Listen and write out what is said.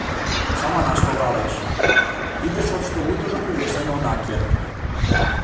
Чаманаш логалеш: тиде шотышто утыжым кугешнен она керт.